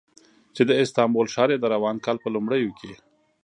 چې د استانبول ښار یې د روان کال په لومړیو کې